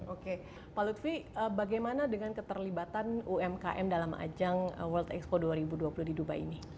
oke pak lutfi bagaimana dengan keterlibatan umkm dalam ajang world expo dua ribu dua puluh di dubai ini